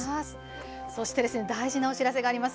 そして大事なお知らせがあります。